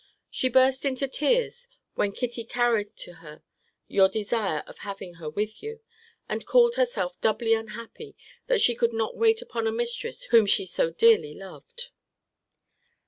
She burst into tears, when Kitty carried to her your desire of having her with you; and called herself doubly unhappy, that she could not wait upon a mistress whom she so dearly loved.